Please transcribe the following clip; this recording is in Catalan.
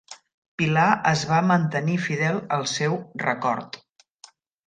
Pilar es va mantenir fidel al seu record.